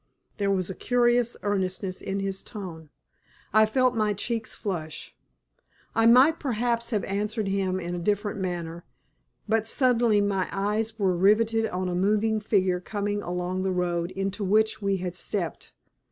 There was a curious earnestness in his tone. I felt my cheeks flush. I might perhaps have answered him in a different manner, but suddenly my eyes were riveted on a moving figure coming along the road into which we had stepped.